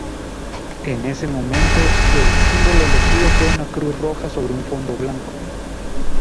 En ese momento, el símbolo elegido fue una cruz roja sobre un fondo blanco.